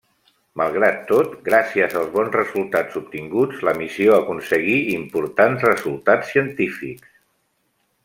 Malgrat tot, gràcies als bons resultats obtinguts, la missió aconseguí importants resultats científics.